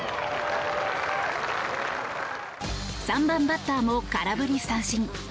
３番バッターも空振り三振。